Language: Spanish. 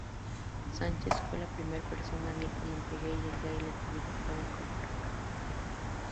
Sánchez fue la primera persona abiertamente gay en ser electa diputada en Costa Rica.